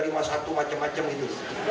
rima satu macam macam gitu